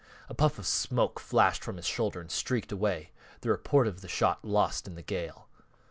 A puff of smoke flashed from his shoulder and streaked away, the report of the shot lost in the gale.